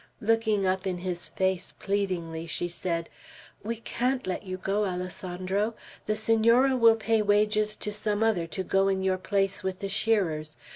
Looking up in his face pleadingly, she said: "We can't let you go, Alessandro. The Senor will pay wages to some other to go in your place with the shearers.